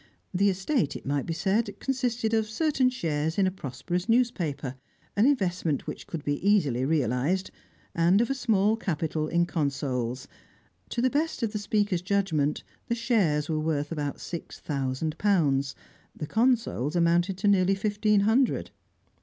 The estate, it might be said, consisted of certain shares in a prosperous newspaper, an investment which could be easily realised, and of a small capital in consols; to the best of the speaker's judgment, the shares were worth about six thousand pounds, the consols amounted to nearly fifteen hundred.